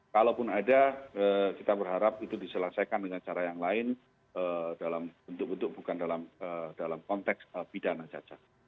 kalaupun ada kita berharap itu diselesaikan dengan cara yang lain dalam bentuk bentuk bukan dalam konteks pidana caca